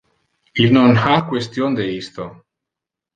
Il non ha question de isto.